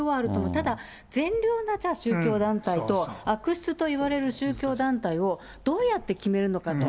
ただ善良な宗教な団体と、悪質といわれる宗教団体をどうやって決めるのか。